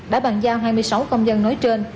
đã bàn giao hai mươi sáu công dân nói trên